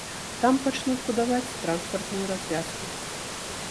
Там пачнуць будаваць транспартную развязку.